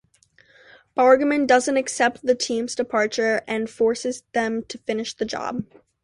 Bergman doesn't accept the team's departure and forces them to finish the job.